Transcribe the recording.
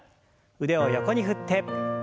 腕を横に振って。